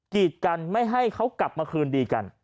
กีดกันไม่ให้เขากลับมาคืนดีกัน